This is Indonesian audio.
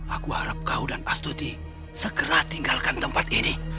aku harap kau dan astuti segera tinggalkan tempat ini